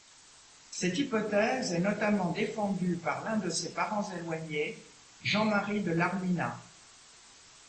Cette hypothèse est notamment défendue par l'un de ses parents éloignés, Jean-Marie de Larminat.